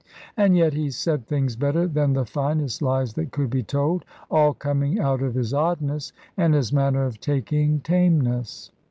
And yet he said things better than the finest lies that could be told, all coming out of his oddness, and his manner of taking tameness.